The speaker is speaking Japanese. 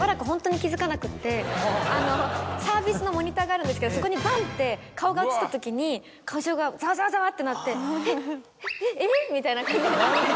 サービスのモニターがあるんですけどそこにバンって顔が映った時に会場がざわざわざわってなってえっええぇ⁉みたいな感じになって。